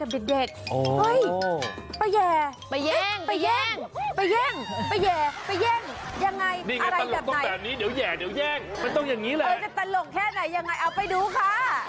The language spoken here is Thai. ไม่ต้องอย่างนี้แหละเออจะตลกแค่ไหนยังไงเอาไปดูค่ะ